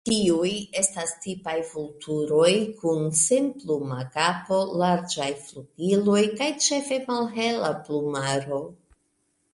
Tiuj estas tipaj vulturoj, kun senpluma kapo, larĝaj flugiloj kaj ĉefe malhela plumaro.